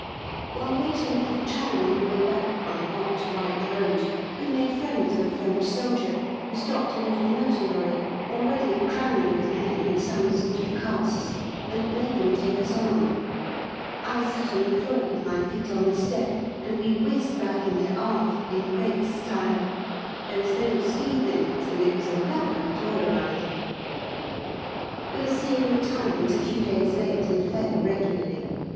While waiting for the tram on the way back, on a hot, white road, we made friends with a French soldier, who stopped a little motor lorry, already crammed with men and some sort of casks, and made them take us on. I sat on the floor, with my feet on the step, and we whizzed back into Havre in great style. There is no speed limit, and it was a lovely joy ride! We are seeing the 'Times' a few days late and fairly regularly.